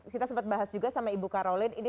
kita sempat bahas juga sama ibu karolin